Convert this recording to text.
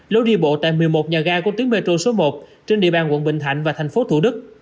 lối đi bộ tại một mươi một nhà ga của tuyến metro số một trên địa bàn quận bình thạnh và thành phố thủ đức